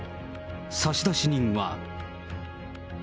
差出人は。